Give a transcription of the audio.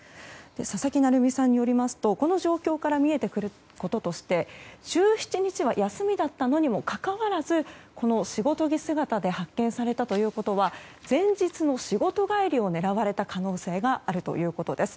佐々木成三さんによりますとこの状況から見えてくることとして１７日は休みだったのにもかかわらず仕事着姿で発見されたということは前日の仕事帰りを狙われた可能性があるということです。